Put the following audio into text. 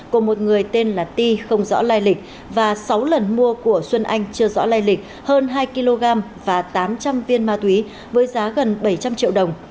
của một người tên là ti không rõ lai lịch và sáu lần mua của xuân anh chưa rõ lai lịch hơn hai kg và tám trăm linh viên ma túy với giá gần bảy trăm linh triệu đồng